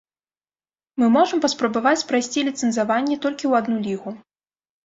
Мы можам паспрабаваць прайсці ліцэнзаванне толькі ў адну лігу.